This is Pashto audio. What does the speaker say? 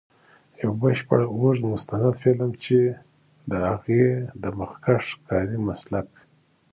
یو بشپړ اوږد مستند فلم، چې د هغې د مخکښ کاري مسلک.